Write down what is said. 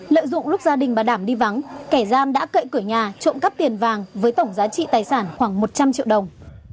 lợi dụng lúc gia đình bà đảm đi vắng kẻ gian đã cậy cửa nhà trộm cắp tiền vàng với tổng giá trị tài sản khoảng một trăm linh triệu đồng